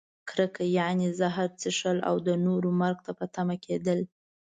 کرکه؛ یعنې زهر څښل او د نورو مرګ ته په تمه کیدل.